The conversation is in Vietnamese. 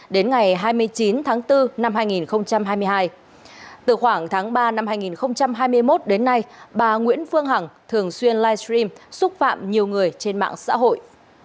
đến ngày hai mươi chín tháng bốn năm hai nghìn hai mươi hai từ khoảng tháng ba năm hai nghìn hai mươi một đến nay bà nguyễn phương hằng thường xuyên livestream xúc phạm nhiều người trên mạng xã hội